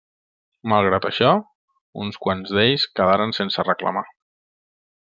Malgrat això, uns quants d'ells quedaren sense reclamar.